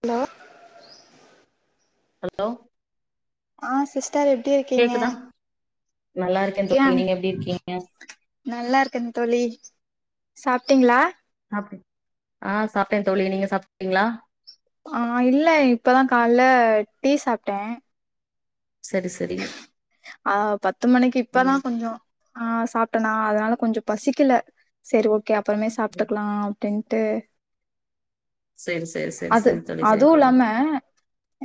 Hello hello ஆ sister எப்டி இருக்கீங்க கேக்குதா நல்லா இருக்கே ல்லா தோழி நீங்க எப்டி இருக்கீங்க நல்லா இருக்கேன் தோழி சாப்ட்டீங்களா [inaudible] ஆ சாப்ட்டே தோழி நீங்க சாப்டீங்களா ஆ இல்ல இப்பதா கால்ல டீ சாப்ட்டே சரி சரி ஆ பத்து மணிக்கு இப்பதா இனிமே- கொஞ்சோ ஆ சாப் ப்ட்டனா அதனால கொஞ்சோ பசிக்கில சேரி ஓக் கே அப்புறமே சாப்ட்டுக்குலா டுன்ட்டு சரி சரி சரி அது சரி தோழி சரி அதுவு தோழி இல்லாம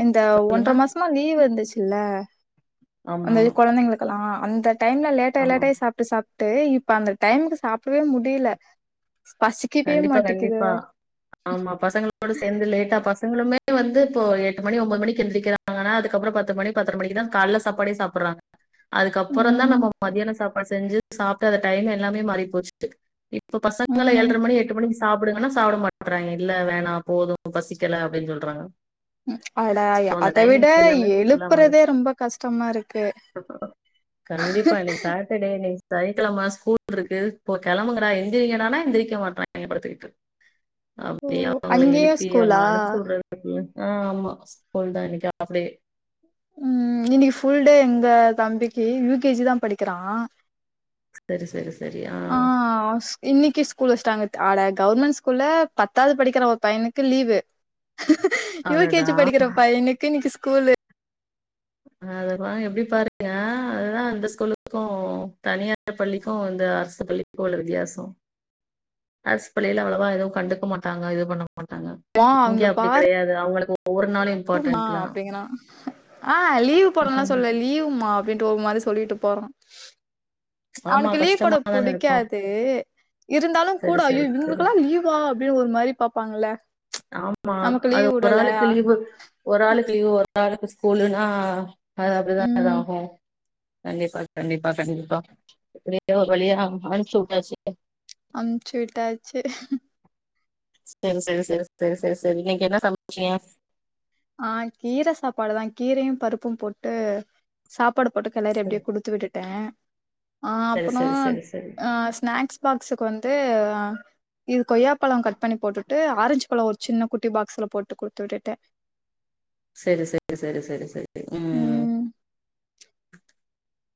இந்த ஒன்ற சொல்லுங்க மாசமா லீவ் இருந்துச்சு இல்ல ஆமா அந்த கொழந்தைங்களுக்கெல்லா அந்த டைம்ல லேட்டாயி ஆமா லேட்டாயி சாப்ட்டு சாப் ட்டு இப்ப அந்த டைமுக்கு சாப்பிடவே முடியல பசிக்கவே கண்டிப்பா மாட்டேக்குது கண்டிப்பா ஆமா பசங்களோட சேந்து லேட்டா ப சங்களுமே வந்து இப்போ எட்டு மணி ஒம்பது மணி எந்திரிக்கிறாங்கன்னா அதுக்கப்புறம் பத்து மணி பத்தரை மணிக்கு தா கால்ல சாப்பாடே சாப்பறாங்க அதுக்கப்புறம் தா ம் நம்ம மதியான சாப் அப்ப செஞ்சு சாப்ட்டு அத டைம் எல்லாமே மாறி போச்சு இப்ப பசங்கள ம் எல் எட்டு மணிக்கு சாப்பிடுங்கன்னா சாப்ட மாட்றாங்க இல்ல வேணா போது பசிக்கல அப்டின்னு சொல்றாங்க அடா சோ அந்த அத விட டைமிங் எல்லாமே ஃபுல்லா மாறி எழுப்புறதே ரொம்ப கஷ்டமா இருக்கு சனிக்கெழம ஸ்கூல் இருக்கு இப்ப கெளம்புங்கடா எந்திரீங்கடானா எந்திரிக் க மாட்றாய்ங்க படுத்துக்கிட்டு ஓ அப்டி அவங்கள அங்கேயு எழுப்பி ஸ்கூலா அவங்கள அனும்ச்சிட்றதுகுள்ள ஆ ஆமா ஸ்கூல் தா இன்னைக்கு ஆஃப் டே ம் இன்னைக்கி ஃபுல்டே எங்க தம்பிக்கு யு கே ஜி தா படிக்கிறா சரி சரி சரி ஆ ஆஹ் இன்னிக்கி ஸ்கூல் வெஸ் ட்டாங்க ஆட கவர்மெண்ட் ஸ்கூல்ல பத்தாவது படிக்கிற ஒரு பையனுக்கு லீவு யூ கே ஜி அடடா படிக்கிற பையனுக்கு இன்னைக்கி ஸ் கூலு அத பாருங்க எப்டி பாருங்க அதுதா இந்த ஸ்கூலுக்கு தனியார் பள்ளிக்கு இந்த அரசு பள்ளிக்கு உள்ள வித்தியாசோ அரசு பள்ளியில அவ்வளவா எதுவு கண்டுக்க மாட்டாங்க இது பண்ண மாட்டாங்க மா இங்க அங்க அப்டி பாரு கெடையாது அவங்களுக்கு ஒவ்வொரு நாளு [unintelligible] மா இம்பார்ட்டன்ட்லா அப்டிங்கிறா ஆ லீவ் போறேன்லா சொல்லல லீவ்மா அப்டின்ட்டு ஒரு மாரி சொல்லிட்டு போறா ஆமா அவனுக்கு லீவ் போட கஷ்டமாதான இருக்கு புடிக்காது இருந்தாலு கூட செரி ஐயோ செரி செரி இவங்களுக்கெல்லா லீவா அப்டின்னு ஒரு மாரி பாப்பாங்கள ஆமா அது ஒரு ஆளுக்கு லீவ் கு ஒரு ஆளுக்கு லீவ் ஒ ரு ஆளுக்கு ஸ்கூலுன்னா அது அப்டிதா ம் இதாகு கண்டிப்பா கண்டிப்பா கண்டிப்பா எப்டியோ ஒரு வழியா அனுப்ச்சு வுட்டாச்சு அனுப்ச்சு விட்டாச்சு [unintelligible] இன்னைக்க என்ன சமைச்சீங்க அ கீர சாப்பாடுதா கீரையு பருப்பு போட்டு சாப் பாடுப்போட்டு கெளறி அப்டே குடுத்து விட்டுட் டே அ சரி அப்புறோ சரி சரி சரி அ ஸ்நாக்ஸ் பாக்ஸுக்கு வந்து அ இது கொய்யாப்பழம் கட் பண்ணி போட்டுட்டு ஆரஞ்சு பழோ ஒரு சின்ன குட்டி பாக்ஸ்ல போட்டு குடுத்து விட்டுட்டே செரி செரி செரி செரி செரி ம்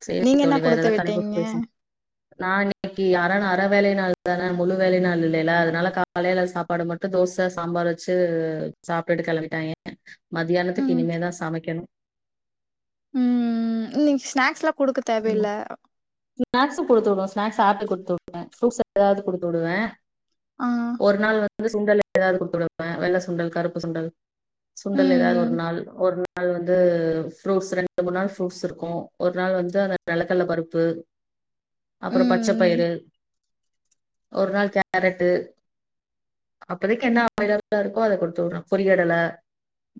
செரி நீங்க என்ன தோழி வேற குடுத்து விட்டீங்க ஏதது [inaudible] நா இன்னைக்கி அர நாள் அர வேலை நாள் தான முழு வேலைநாள் இல்லைல அதனால காலையில சாப்பாடு மட்டு தோச சாம்பார் வச்சு சாப்ட்டுட்டு கெளம்பிட்டாய்ங்க மதியானத்துக்கு ம் இனிமேதா சமைக்கணு ம் இன்னைக் ஸ்நாக்ஸ்லா குடுக்க தேவையில்ல த்து குடுத்து விடுவே ஸ்நாக்ஸ் ஆப்பிள் குடுத்து விடுவே ப்ரூட்ஸ் எதாவ்து குடுத்து வுடுவே ஆ ஒரு நாள் வந் து சுண்டல் எதாவ்து குடுத்து வுடுவே வெள்ள சுண்டல் கருப்பு சுண்டல் சுண்டல் எதாவ்து ஒரு ம் நாள் ஒரு நா ள் வந்து ஃப்ரூட்ஸ் ரெண்டு மூணு நாள் ஃப்ரூட்ஸ் இருக்கோ ஒரு நாள் வந் து அந்த நெலக்கல்ல பருப்பு அப்புறோ பச்சப் ம் பயிறு ஒரு நாள் கேரட்டு அப்பதைக்கு என்ன அவைலபிளா இருக்கோ அத கொடுத்து வுடுவே பொறிகடல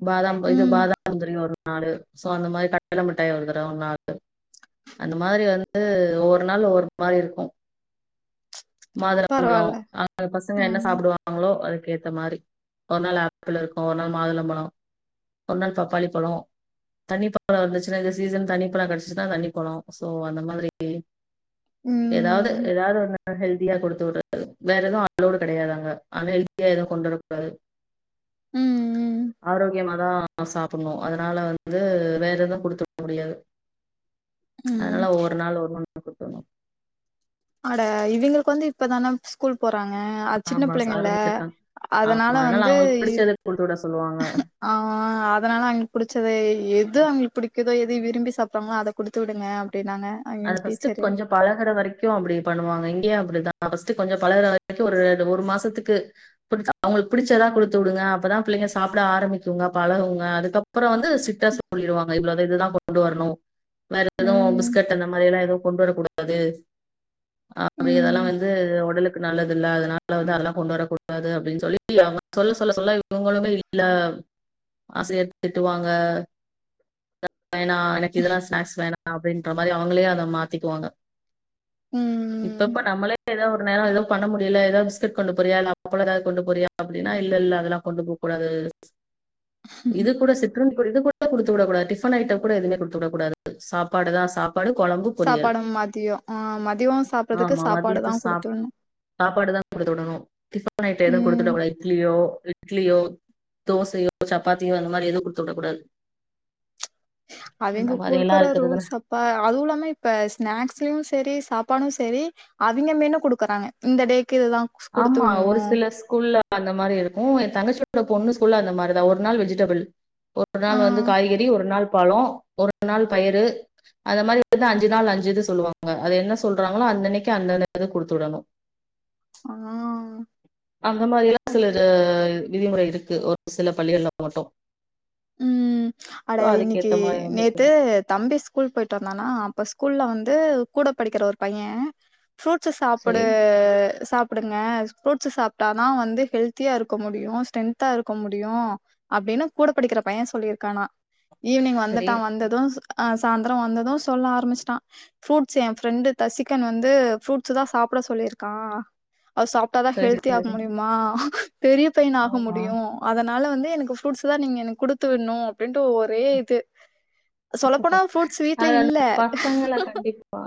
பாதாம் இது ம். பாதாம் முந்திரியு ஒரு நாலு சோ அந்த மாரி கடல மிட்டாய் ஒரு தடவ ஒர் நாலு அந்த மாரி வந்து ஒவ்வொரு நாள் ஒவ்வொரு மாரி இருக்கோ மாதுளம்பழோ பரவால்ல. அ [inaudible] பசங்க என்ன ம். சாப்புடுவாங்களோ அது கேத்த மாரி ஒரு நாள் ஆப்பிள் இருக்கு ஒரு நாள் மாதுளம்பழோ ஒரு நாள் பப்பாளி பழோ தண்ணிப்பழோ வந்துச்சுனா இது சீசன் தண்ணிப்பழோ கெடச் சிதா தண்ணிப்பழோ சோ அந்த மாதிரி எதாவ்து ம். எதாவ்து ஒண்ணு ஹெல்தியா கொடுத்து உட்றது வேற எதுவு அலோடு கெடையாது அங்க அன் ஹெல்தியா எதவு கொண்ரொக்கூடாது ம். ம். ஆரோக்கியமா தா சாப்புன்னோ அதனால வந்து வேற எது குடுத்துவுட முடியாது ம். அதனால ஒவ்வொரு நாள் ஒரு மா [inaudible] அட இவிங்களுக்கு வந்து இப்பதான ஸ்கூல் போறாங்க அது சின்ன ஆமா ச- பிள்ளைங்கல்ல ஆரம்பிச்சிருக்காங்க அதனால ஆமா, வந்து அவங்களுக்கு பிடிச்சத குடுத்து விட சொல்லுவாங்க ஆ அதனால அவங்களுக்கு புடிச்சது எது அவங்களுக்கு புடி எத எதை விரும்பி சாப்பிறாங்களோ அத குடுத்து விடுங்க அப்டின்னாங்க அது அவிங்க பர்ஸ்ட்டு டீச்சரு. கொஞ்சோ பழகுற வரைக்கு அப்டி பண்ணுவாங்க இங்கயு அப்டிதா பஸ்ட்டு கொஞ்சோ பழகுற வரைக்கு ஒரு ஒரு மாசத்துக்கு குடுத்தா அவங்களுக்கு பிடிச்சதா குடுத்து விடுங்க அப்பதா பிள்ளைங்க சாப்பிட ஆரம்பிக்குங்க பழகுங்க அதுக்கப்புற வந்து ஸ்ரிட்டா சொல்லிடுவாங்க இவ்வளவுதா இதுதா கொண்டு வரணு வேற எது ம். பிஸ் அந்த மாரில்லா எதுவு கொண்டு வரக்கூடாது ஆ இதெல்லா ம். வந்து ஒடலுக் நல்லது இல்ல அதனால வந்து அதெல்லா கொண்டு வரக்கூடாது அப்டின்னு சொல்லி அவங்க சொல்ல சொல்ல சொல்ல இவங்களுமே வீட்டுல ஆசிரியர் திட்டுவாங்க வேணா எனக்கு இதெல்லா ஸ்நேக்ஸ் வேணா அப்டின் ன்ற மாரி அவங்களே அத மாத்திக்குவாங்க ம். இப்பப்ப நம்மளே ஏதா ஒரு நேரோ எது பண்ண முடியல ஏதாவது பிஸ்கட் கொண்டு போறாய இல்ல அப்பளோ ஏதாது கொண்டு போறாயா அப்டின்னா இல்ல இல்ல அதெல்லா கொண்டு போ கூடாது இது கூட சிற்றுண்டி கூட இது கூட குடுத்து விடக்கடது டிஃபன் ஐட்டம் கூட எவுமே குடுத்து விடக்கூடாது சாப்பாடு தா ஸ் ப்பாடு கொழம்பு பொரியல் சாப்பாடும் மதியம். ஆ மதியம் சாப்பிட்றதுக்கு ஆமா சாப்பாடு மத்தியத்தை தான் சாப் குடுத்து விடணும். சாப்பாடு குடுத்து விடணு டிபன் ஐட்டம் எதுமே குடுத்து ம். விடக்கூடாது இட்லியோ இட்லியோ தோசையோ சப்பாத்தியோ அந்த மாரி எதுவு குடுத்து விடக்க கூடாது அவிங்க குடுக்குற இருக்கிறது ரூல்ஸ்ஸப்பா அதுவு இல்லாம இப்ப ஸ்நாக்ஸ்லயு சரி சாப்பாடு சரி அவிங்க மெனு குடுக்குறாங்க இந்த டே ஆமா ஒரு சில ஸ்கூல்ல அந்த மாரி இருக்கு ஏ தங்கச்சி ட பொண்ணு சொல்ல அந்த மாரிதா ஒரு நாள் வெஜிடபிள் ஒரு ஆ நாள் வந்து காய்கறி ஒரு நாள் பலோ ஒரு நாள் பயரு அந்த மாரி எ அஞ்சு நாள் அஞ்சுது சொல்லுவாங்க அது என்ன சொல்றாங்களோ அந்தன்க்கு அந்தந்தது குடுத்துடணு ஆ அந்த மாதிரில்லா சிலர் விதிமுறை இருக்கு ஒரு சில பள்ளிகள்ல மட்டு ம் அட இன்னைக்கு அதுக்கேத்த மாதிரி வந்து நேத்து தம்பி ஸ்கூல் போய்ட்டு வந்தானா அப்பஸ் ஸ்கூல்ல வந்து கூட படிக்கிற ஒரு பைய ஃப்ரூட்ஸ்சு சாப்புடு சரி சா ப்புடுங்க புருட்ஸ்சு சாப்ட்டாதா வந்து ஹெல்த்தியா இருக்க முடியு ஸ்ட்ரெந்தா இருக்க முடியு அப்டின்னு கூடப் படிக்கிற பைய சொல்லியிருக்கானா ஈவி்னிங் சரி வந்துட்டா வந்தது அ சாயந்தர வந்தது சொல்ல ஆரம்பிச்சுட்டா ஃப்ரூட்ஸ் ஏ ஃப்ரெண்டு தசிகன் வந்து ஃப்ரூட்ஸ் தா சாப்ட சொல்லியிருக்கா அ சாப்ட்டாதா சரி ஹெல்தியா சரி இருக்க சரி. முடியுமா பெரிய பையன ஆக ஆமா முடியு அதனால வந்து எனக்கு ஃப்ரூட்ஸ்ல நீங்க எனக்கு குடுத்துவிணு அப்டின்ட்டு ஒரே இது சொல்லப்போனா ஃப்ரூட்ஸ் வீட்ல அது இல்ல அந்த பசங்கள கண்டிப்பா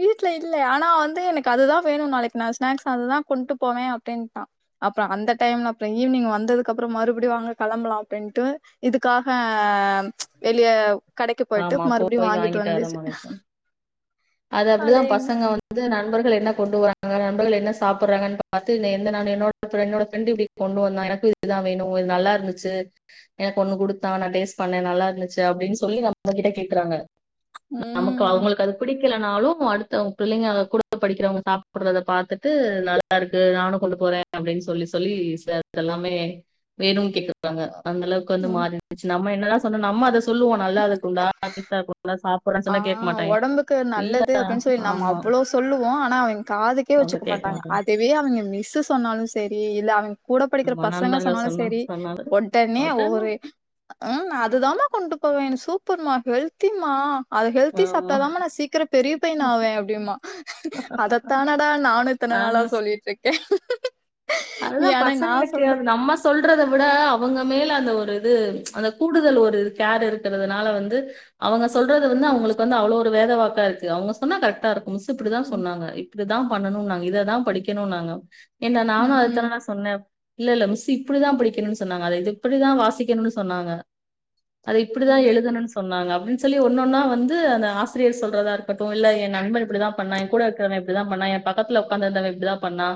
வீட்டு்ல இல்ல ஆனா வந்து எனக்கு அதுதா வேணு நாளைக்கு நா ஸ்நாக்ஸ் அதுதா கொண்ட்டு போவே அப்டின்ட்டா அப்புற அந்த டைம்ல அப்புற ஈவினங் வந்ததுக்குப்புற மறுபடி வாங்க கிளம்பலாம் அப்டினுட்டு இதுக்காக வெளிய கடைக்கு போயிட்டு ஆமா மறுபடியும் போய் வாங்கிட்டு வர வந்து மாரிதாங் அது அப்டிதா அடேங் பசங்க வந்து நண்பர்கள் என்ன கொண்டு வர அங்க நண்பர்கள் என்ன சாப்பிடுறாங்கன்னு பாத்து என்ன நானு என்னோட என்னோட ஃப்ரெண்ட் இப்டி கொண்டு வந்த எனக்கு இதுதா வேணு இது நல்லா இருந்துச்சு எனக்கு ஒண்ணு கொடுத்தா நா டேஸ்ட் பண்ண நல்லா இருந்துச்சு அப்டினு சொல்லி நம் நம்ம கிட்ட கேக்குறாங்க நமக்கு ம் அவங்களுக்கு அது பிடி பிடிக்கலனாலு அடுத்தவங்க பிள்ளைங்க குடு படிக்கிறவங்க சாப்படுறத பாத்துட்டு நல்லா இருக்கு நானு கொண்டு போற அப்டின்னு சொல்லி சொல்லி [inaudible] எல்லாமே வேணும் கேக்குறாங்க அந்த அளவுக்கு வந்து ம் மாறிந்துச்சுன்னா நம்ம என்னதா சொன்னு நம்ம அத சொல்லுவோ நல்லா அதுக் [unintelligible] ஆஹ் ஒடம்புக்கு இல்ல நல்லது அப்டின்னு சொல்லி நம்ம ஆமா அவ்ளோ சொல்லுவோ ஆன அவேங் காதுக்கே அத வச்சுக்க கேட்க மாட்டாங்க அதுவே அவேங்க மிஸு சொன்னாலு செரி இல்ல அவேங் கூட படிக்கிற ஆமா பசங்க நண்பர்கள் சொன்னாலு சொன்ன சேரி சொன்னது உடனே ஒவொரு ஹ் நா அதுதாமா கொண்டு இப்ப வேணு சூப்பருமா ஹெல்த்திமா அது ஹெல்த்தி ஆமா சாப்பிட்டாதாம நா சீக்கிர பெரிய பையன் ஆவே அப்டிம்ப அதத்தானடா நானு இத்தன நாளா நாங்களு சொல்லிட்டு இருக்கே அதுதா பசங்களுக்கு அத நம்ம சொல்றத விட அவங்க மேல் [unintelligible] அந்த ஒரு இது அந்த கூடுதல் ஒரு கேர் இருக்கிறதுனால வந்து அவங்க சொல்றது வந்து அவங்களுக்கு வந்து அவ்ளோ ஒரு வேதவாக்கா இருக்கு அவங்க சொன்னா கரெக்டா இருக்கு மிஸ் இப்டிதா ம் சொன்னாங்க இப்டிதா பண்ணணுன்னாங்க இததா படிக்கணுன்னாங்க ஏன்டா நானு ம் அது சொன்ன இல்ல இல்ல மிஸு இப்டிதா படிக்கணுனு சொன்னாங்க அத இப்டிதா வாசிக்கணுனு சொன்னாங்க அத இப்டிதா ம் எழுதணுனு சொன்னாங்க அப்டினு சொல்லி ஒன்னொன்னா வந்து அந்த ஆசிரியர் சொல்றதா இருக்கட்டு இல்ல எ நண்பன் இப்டிதா பண்ணா எ கூட இருக்கறவ இப்டிதா பண்ணா எ பக்கதுல உக்காந்து இருந்தவ இப்டிதா பண்ணா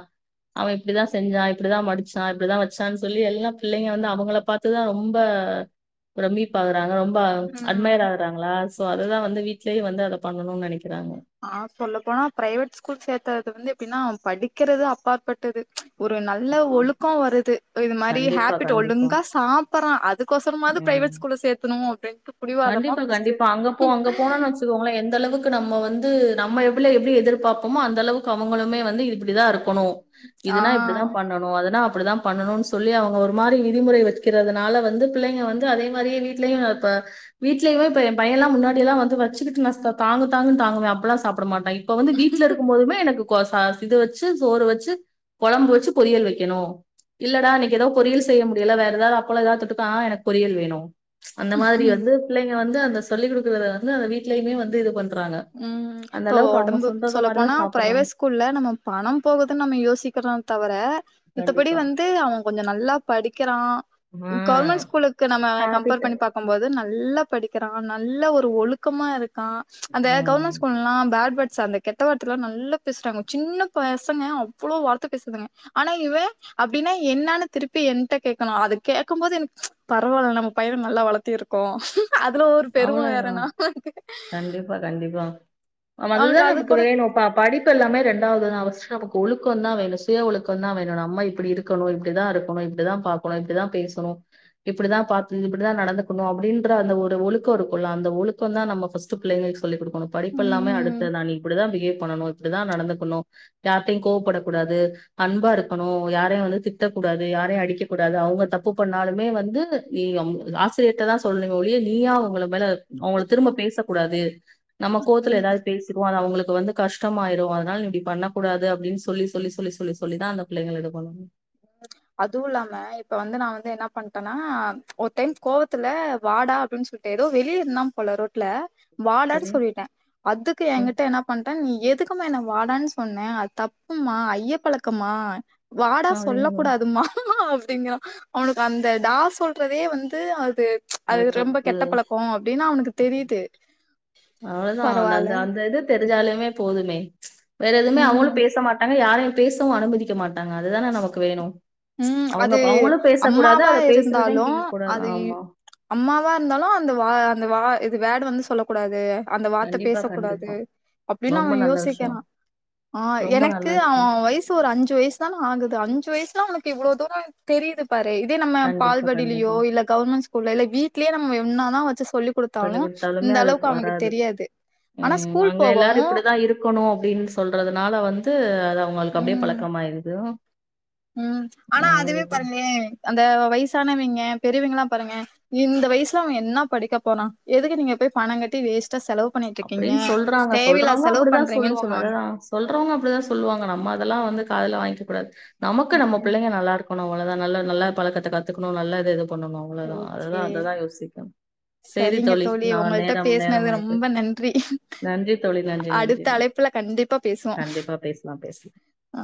அவ இப்டிதா செஞ்சா இப்டிதா மடிச்சா இப்டிதா வச்சா சொல்லி எல்லா பிள்ளைங்க வந்து அவங்கள பாத்துதா ரொம்ப பிரம்மிப்பாகறாங்க ரொம்ப ப்பா ம் அட்மையர் ஆகுறாங்களா சோ அததா வந்து வீட்லேயு வந்து அத பண்ணணுனு நெனைக்கிறாங்க ஆஹ் சொல்ல போனா பிரைவேட் ஸ்கூல் சேத்தறது வந்து எப்டின்னா படிக்கிறது அப்பாற்பட்டது ஒரு நல்ல ஆ ஒழுக்கோ வருது இது மாரி கண்டிப்பா ஹேப்பிட் கண்டிப்பா ஒழுங்கா சாப்படுறா அதுக்கோசரமாவது ம் பிரைவேட் ஸ்கூல்ல சேத்தணு அப்டின்ட்டு புடிவாதமா கண்டிப்பா புடிச்சு கண்டிப்பா. சேத்து அங்க போ அங்க ந்து நம்ம எப்டி எப்டி எதிர்பாப்போமோ அந்த அளவுக்கு அவுங்களுமே வந்து இப்டிதா இருக் ணும் இதுனா இப்டிதா அதனா அப்டிதா பண்ணும்னு சொல்லி அவங்க ஒரு மாரி விதிமுறை வெக்கிறதுனால வந்து பிள்ளைங்க வந்து அதே மாரியே வீடலயு இப்ப வீட்லயுமே இப்ப எ பையன்ல்லா முன்னாடிய எல்லா வந்து வச்சுட்டுங்க நா தாங்கு தாங்குன்னு தாங்குவா அப்தா சாப்புடுவா போட மாட்டே இப்ப வந்து வீட்ல இருக்கு போதுமே எனக் கே சா இது வச்சு சோறு வச்சு கொழம்பு வச்சு பொரியல் வெக்கனு இல்லடா இன்னைக்கி எதோ பொரியல் செய்ய முடியல வேற ஏதாவது அப்பளோ ஏதாவது தொட்டுக்கா ஆ எனக்கு பொரியல் வேணு அந்த மாரி ஆ வந்து பிள்ளைங்க வந்து அந்த சொல்லி குடுக்கறத வந்து அந்த வீட்டுலயுமே வந்து இது பண்ற ம் இப்போ ஒடம்பு மாரிதா சொல்லப்போனா சாப்புட்றாங்க பிரைவேட் ஸ்கூல்ல நம்ம பணம் போகுதுன்னு நம்ம யோசிக்கிறோ தவிர மித்தபடி கண்டிப்பா வந்து அவ கொஞ்சோ நல்லா படிக்கிறா ஆ கவர்மெண்ட் ஸ்கூலுக்கு நம்ம கம்பேர் ஹேபிட்டு பண்ணி பாக்கும்போது நல்லா படிக்கிறா நல்ல ஒரு ஒழுக்கமா இருக்கா அந்த ம் கவர்மெண்ட் ஸ்கூலல்லா பேட் வேட் ச அந்த கெட்ட வார்த்தைய எல்லா நல்லா பேசுறாங்க சின்ன பசங்க அவ்ளோ வார்த்த பேசுதுங்க ஆனா இவ அப்டின்னா என்னனு திருப்பி என்ட்ட கேக்கறா அது கேட்கும் போது எனக்கு பரவாயில்லலை நம்ம பய நல்லா வளத்திருக்கோ அதுல ஒரு பெருமை வேற அவ்ளோதா நா வ கண்டிப்பா கண்டிப்பா நம அதுதான் நமக்கு வேணும் பா படிப்பு எல்லாமே ரெண்டாவதுான் அவசு நமக்கு ஒழுக்கம் தான் வேணும் சுய ஒழுக்கம் தான் வேணும் நம்ம இப்படி இருக்கணும் இப்படிதான் இருக்கணும் இப்படிதான் பாக்கணும் இப்படிதான் பேசணும் இப்படிதான் பாத்து இப்படிதான் நடந்துக்கணும் அப்படின்ற அந்த ஒரு ஒலுக் க்கும்ல அந்த ஒழுக்கம் தான் நம்ம பர்ஸ்ட் பிள்ளைங்களுக்குஸ் சொல்லி கொடுக்கணும் படிப்பு எல்லாமே ம் அடுத்ததான் நீ இப்படிதான் பிஹேவ் பண்ணணு இப்படிதான் நடந்துக்கணும் யார்டயும் கோவப்படக்கூடாது அன்பா இருக்கணும் யாரையும் வந்து திட்டக்கூடாது யாரையும் அடிக்கக்க கூடாது அவங்க தப்பு பண்ணாலுமே வந்து நீ அம் இது ஆசிரியர் கிட்டதான் சொல்லணம் ஒழியே நீயா வந் அவங்கள மேல அவங்கள திரும்ப பேசக்கூடாது நம்ம கோவத்தல ஏதாவது பேசிக்ரூவோ அது அவங்களுக்கு இப்ப வந்து கஷ்டமா ஆயிரும் அதனால நீ இப்படி பண்ண கூடாது அப்படின்னு சொல்லி சொல்லி சொல்லி சொல்லி சொல்லிதான் அந்த பிள்ளைங்கள இது பண்ணணு [unintelligible] அதுவும் இல்லாம இப்ப வந்து நான் வந்து இன்னா பண்டேன்னா ஒரு டைம் கோவத்துல வாடா அப்படின் சொல்ட்டு ஏதோ வெளிய இருந்தான் போல ரோட்ல வாடான் சரி சொல்லிட்டேன் அதுக்கு ம் என்கிட்ட என்ன பண்டான் நீ ஏத் துக்மா நா வாடான் சொன்னேன் அது தப்புமா ஐய பழக்கமா வாடா சொல்லக் அப்டின்னு கூடாதுமா திங்ரா அவனுக்கு அந்த டா சொல்றதே வந்து அது அது ரொம்ப தப்பு கெட்ட பழக்கோ அப்டின்னு அவனுக்கு ம் தெரியுது அவ்ளோதான் அந்த பரவால்ல அந்த அந்த இது தெரிஞ்சாலுமே போதுமே வேற எதுவுமே ம் அவங்களும் பேச மாட்டாங் னவே யாரையும் பேசவும் அனுமதிக்க மாட் ஆமா அதுதானே நமக்கு வேணும் ச்சி ம் அவங்க அது அவங்களும் பேசக்கூடாது அம்மாவா அதை பேசுறதையும் இருந்தாலு கேட்க கூடாது அது ஆமா அம்மாவா இருந்தாலு அந்த வா அந்த வா இது வேடு வந்து சொல்ல கூடாது அந்த வார்த்த கண்டிப்பா பேசக்கூடாது கண்டிப்பா அப்படின்னு அவ ரொம்ப நல்ல யோசிக்கிறா விஷயம் ஆ ரொம்ப நல்ல எனக்கு அவ விஷயம் வயசு ஒரு அஞ்சு வயசு ஆகுது அஞ்சு வயசலா அவனுக்கு இவ்ளோ தூரோ தெரியிது பாரே இதே நம்ம கண்டிப்பா பால்வடிலேயோ கண்டிப்பா இல்ல கவர்மெண்ட் ஸ்கூல்ல இல்ல வீட்லயே நம்ம‌ இவ என்னா தா வச்சி சொல்லிக் குடுத்தாலுமே அது வராது தெரியாது. ஆனா உம் ஸ்கூல் அங்க எல்லாரு போகவும் இப்பிடிதா இருக்கணு அப்படின்னு சொல்றததுனால வந்து து அது அவங்களுக்கு அப்படியே பழக்கம் ஆயிறுது உம் ஆனா அதுவே பாருங்கலே அந்த வயசானவங்க பெரியவிங்களா பாருங்க இந்த வயசுல அவ என்னா படிக்க போனா எதுக்கு நீங்க போய் பணங்கட்டி வேஸ் அப்பிடினு சொல்றாங்க சொல்றவங்க செலவு அப்படிதா பண்றீங்கன்னு சொல்லுவாங்க அததா சொல்றவங்க அப்படிதா சொல்லுவாங்க நம்ம அதெல்லா வந்து காதுல வாங்கிக்க கூடாது நமக்கு நம்ம ம் பிள்ளைங்க நல்லா இருக்கணு அவ்வளதா நல்ல நல்ல பழக்கத்தை கத்துக்கணு நல்ல இது இது பண்ணணு அவ்ளோதா அததா ஓகே அததா யோசிக்கனு செரி சரிங்க தோளி நா நேரம் நேரம் ஆயிட்டு றி நன்றி தோழி நன்றி நன்றி அடுத்த நன்றி அழைப்புல கண்டிப்பா பேசுவோ கண்டிப்பா பேசலாம் பேசலாம் ஆ